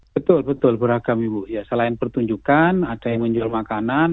betul betul beragam ibu ya selain pertunjukan ada yang menjual makanan